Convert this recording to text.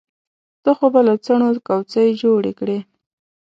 ته خو به له څڼو کوڅۍ جوړې کړې.